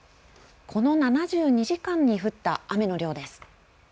この７２時間に降った雨の量です。